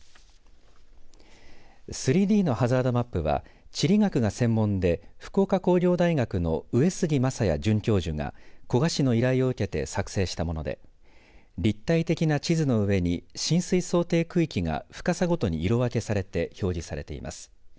３Ｄのハザードマップは地理学が専門で福岡工業大学の上杉昌也准教授が古賀市の依頼を受けて作成したもので立体的な地図の上に浸水想定区域が深さごとに色分けされて表示されています。